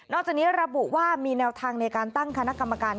จากนี้ระบุว่ามีแนวทางในการตั้งคณะกรรมการ